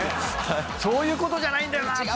そういうことじゃないんだよな。